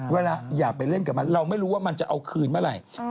อย่าไปเล่นกับมันเราไม่รู้ว่ามันจะเอาคืนเมื่อไหร่